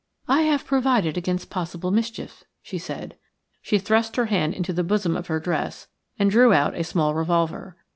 "I have provided against possible mischief," she said. She thrust her hand into the bosom of her dress and drew out a small revolver.